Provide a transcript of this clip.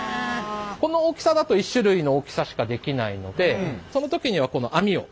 この大きさだと１種類の大きさしかできないのでその時にはこの網を。